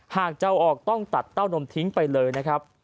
หากจะเอาออกต้องตัดเต้านมทิ้งไปเลยนะครับ